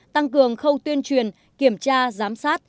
tăng cường khâu tuyên truyền kiểm tra giám sát